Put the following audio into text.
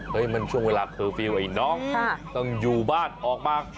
มันช่วงเวลาเคอร์ฟิลล์ไอ้น้องต้องอยู่บ้านออกมา